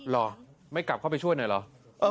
เหรอไม่กลับเข้าไปช่วยหน่อยเหรอ